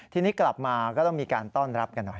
ทีนี้กลับมาก็ต้องมีการต้อนรับกันหน่อย